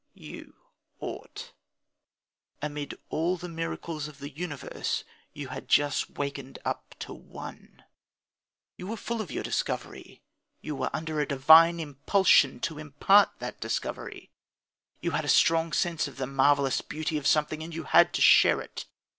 You ought. Amid all the miracles of the universe you had just wakened up to one. You were full of your discovery. You were under a divine impulsion to impart that discovery. You had a strong sense of the marvellous beauty of something, and you had to share it.